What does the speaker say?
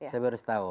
saya baru setahun